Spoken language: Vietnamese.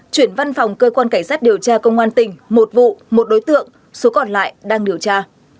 cảnh sát điều tra công an tỉnh một vụ một đối tượng số còn lại đang điều tra